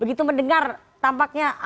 begitu mendengar tampaknya